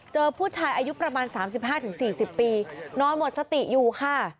เจอผู้ชายอายุประมาณสามสิบห้าถึงสี่สิบปีนอนหมดสติอยู่ค่ะ